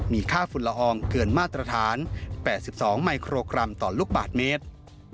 มีค่าฝุ่นละอองเกินมาตรฐาน๘๒มิโครกรัมต่อลูกบาทเมตร